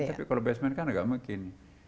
tapi kalau basement kan agak mungkin